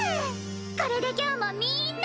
これで今日もみんな！